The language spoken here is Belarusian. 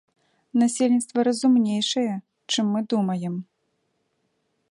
Насельніцтва разумнейшае, чым мы думаем.